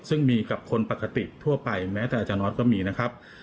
ซึ่งมีกับคนปกติทั่วไปแม้แต่อาจารย์ออสก็มีนะครับ